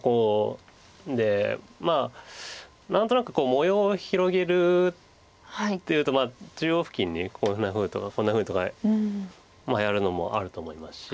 まあ何となく模様を広げるっていうと中央付近にこんなふうとかこんなふうとかやるのもあると思いますし。